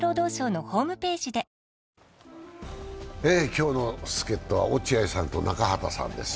今日の助っとは落合さんと中畑さんです。